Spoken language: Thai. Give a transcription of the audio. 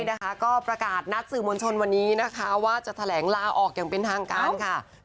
นะคะก็ประกาศนัดสื่อมวลชนวันนี้นะคะว่าจะแถลงลาออกอย่างเป็นทางการค่ะ